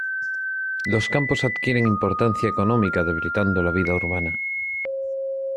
Los campos adquieren importancia económica debilitando la vida urbana.